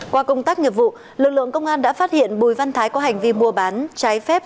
qua công tác nghiệp vụ lực lượng công an đã phát hiện bùi văn thái có hành vi mua bán trái phép